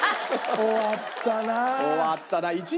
終わったな。